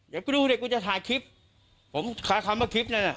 เดี๋ยวกูดูดิกูจะถ่ายคลิปผมคล้ายคำว่าคลิปนั้นน่ะ